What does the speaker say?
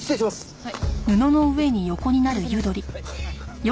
はい。